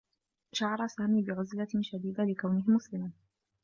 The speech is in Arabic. شعر سامي بعزلة شديد لكونه مسلما.